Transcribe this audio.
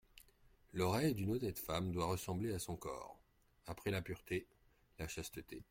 L'oreille d'une honnête femme doit ressembler à son corps ; après la pureté, la chasteté.